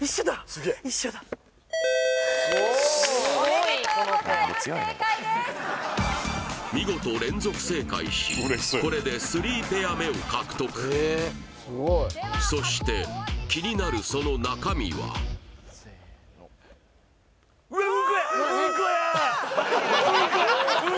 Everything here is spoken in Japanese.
すげえ一緒だおめでとうございます正解です見事連続正解しこれで３ペア目を獲得そして気になるその中身はせーのああっ！